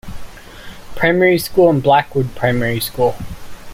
Primary School and Blackwood Primary School.